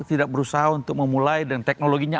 tidak berusaha untuk memulai dan teknologinya